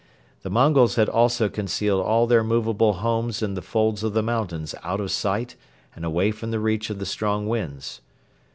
The Mongols had also concealed all their movable homes in the folds of the mountains out of sight and away from the reach of the strong winds.